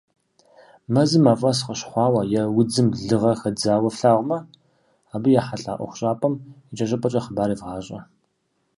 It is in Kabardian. Мэзым мафӀэс къыщыхъуауэ е удзым лыгъэ хадзауэ флъагъумэ, абы ехьэлӏа ӀуэхущӀапӀэм икӏэщӏыпӏэкӏэ хъыбар евгъащӀэ!